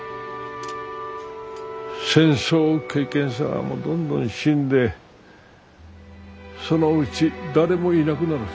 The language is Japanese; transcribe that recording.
戦争経験者もどんどん死んでそのうち誰もいなくなる。